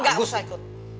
gak usah ikut